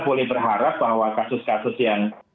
boleh berharap bahwa kasus kasus yang